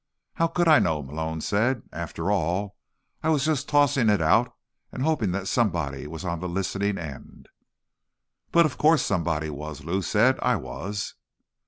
"How could I know?" Malone said. "After all, I was just tossing it out and hoping that somebody was on the listening end." "But of course somebody was," Lou said. "I was."